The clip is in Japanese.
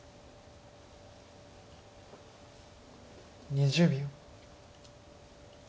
２０秒。